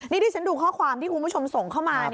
นี่ที่ฉันดูข้อความที่คุณผู้ชมส่งเข้ามา